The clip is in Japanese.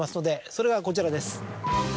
それがこちらです。